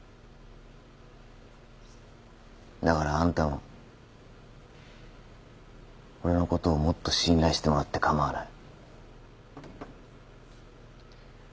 だからあんたも俺のことをもっと信頼してもらって構わない。